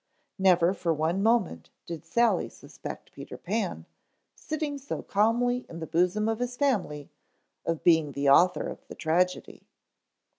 Never for one moment did Sally suspect Peter Pan, sitting so calmly in the bosom of his family, of being the author of the tragedy.